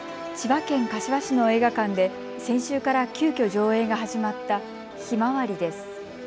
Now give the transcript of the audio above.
千葉県柏市の映画館で先週から急きょ上映が始まったひまわりです。